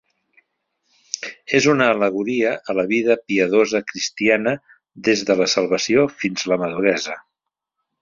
És una al·legoria a la vida piadosa cristiana des de la salvació fins la maduresa.